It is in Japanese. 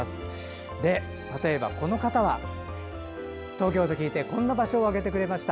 例えば、この方は東京と聞いてこんな場所を挙げてくれました。